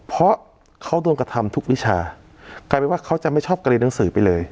เพราะเขาโดนกระทำทุกวิชากลายเป็นว่าเขาจะไม่ชอบการเรียนหนังสือไปเลย